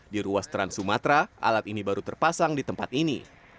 di ruas trans sumatera alat ini baru terpasang di tempat ini